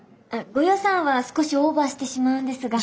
ご予算は少しオーバーしてしまうんですが。